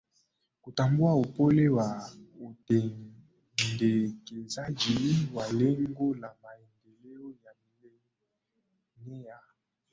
Kutambua upole wa utendekezaji wa Lengo la Maendeleo ya Milenea